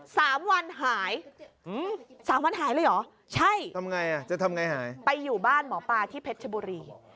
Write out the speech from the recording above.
สามวันหายอืมสามวันหายเลยเหรอใช่ทำไงอ่ะจะทำไงหายไปอยู่บ้านหมอปลาที่เพชรชบุรี